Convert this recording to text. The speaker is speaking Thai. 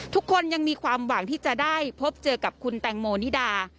ทุกคนยังมีความหวังที่จะได้พบเจอกับคุณแตงโมนิดา